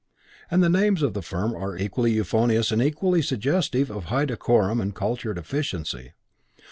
And the names of the firm were equally euphonious and equally suggestive of high decorum and cultured efficiency.